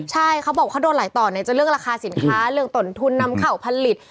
ใช่เขาบอกเขาโดนไหลต่อเนี่ยจะเรื่องราคาสินค้าเรื่องตนทุนนำเข่าผลิต